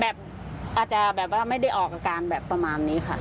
แบบอาจจะไม่ได้ออกการแบบประมาณนี้ค่ะ